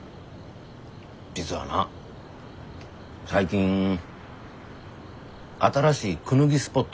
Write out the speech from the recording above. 実はな最近新しいクヌギスポットを見つけたんや。